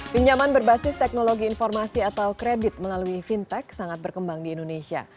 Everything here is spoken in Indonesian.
pinjaman berbasis teknologi informasi atau kredit melalui fintech sangat berkembang di indonesia